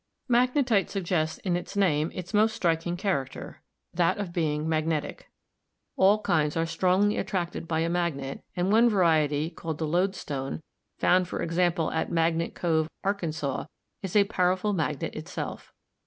Magnetite suggests in its name its most striking char acter, that of being magnetic. All kinds are strongly at tracted by a magnet, and one variety, called the lodestone, found for example at Magnet Cove, Arkansas, is a power ful magnet itself.